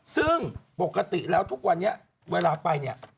ซึ่งปกติแล้วทุกวันนี้เวลาไปเนี่ย